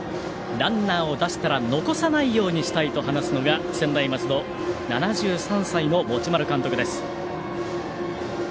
ランナーを出したら残さないようにしたいと話すのが、専大松戸７３歳の持丸監督です。